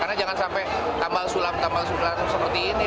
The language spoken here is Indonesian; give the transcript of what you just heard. karena jangan sampai tambah sulap tambah sulap seperti ini